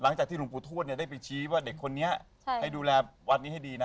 หลังจากที่หลวงปู่ทวดได้ไปชี้ว่าเด็กคนนี้ให้ดูแลวัดนี้ให้ดีนะ